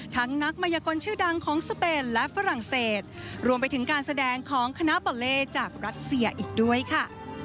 ทั้งนักมัยกลชื่อดังของสเปนและฝรั่งเศสรวมไปถึงการแสดงของคณะบอลเล่จากรัสเซียอีกด้วยค่ะ